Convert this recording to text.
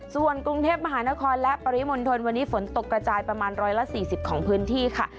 ส่วนกรุงเทพมหานครและปริมณฑลวันนี้ฝนตกกระจายประมาณ๑๔๐ของพื้นที่ค่ะ